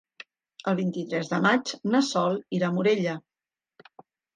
El vint-i-tres de maig na Sol irà a Morella.